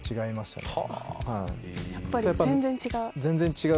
やっぱり全然違う？